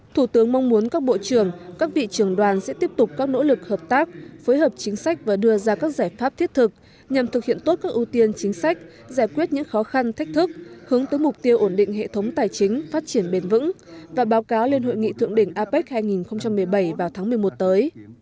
thủ tướng mong muốn các bộ trưởng các vị trưởng đoàn sẽ tiếp tục các nỗ lực hợp tác phối hợp chính sách và đưa ra các giải pháp thiết thực nhằm thực hiện tốt các ưu tiên chính sách giải quyết những khó khăn thách thức hướng tới mục tiêu ổn định hệ thống tài chính phát triển bền vững và báo cáo lên hội nghị thượng đỉnh apec hai nghìn một mươi bảy vào tháng một mươi một tới